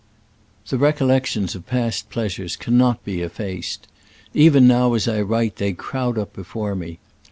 The recollections of past pleasures cannot be effaced. Even now as I write they crowd up before me.